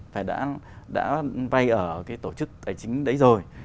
phải đã vay ở cái tổ chức tài chính đấy rồi